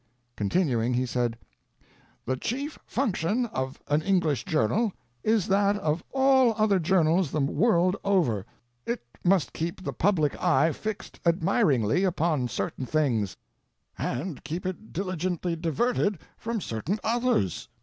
Continuing, he said: The chief function of an English journal is that of all other journals the world over: it must keep the public eye fixed admiringly upon certain things, and keep it diligently diverted from certain others.